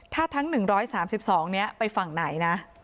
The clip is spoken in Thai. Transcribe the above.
ถ้าทั้ง๑๓๒นี้ไปฝั่งไหนนะ